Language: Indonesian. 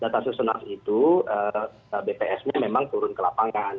data susunan itu bps nya memang turun ke lapangan